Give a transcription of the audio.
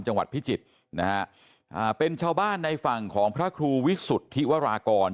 จังหวัดพิจิตรนะฮะอ่าเป็นชาวบ้านในฝั่งของพระครูวิสุทธิวรากร